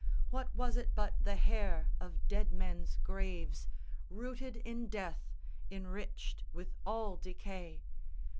What was it but the hair of dead men's graves. Rooted in death, enriched with all decay?